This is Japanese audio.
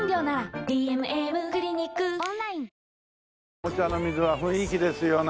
御茶ノ水は雰囲気ですよね。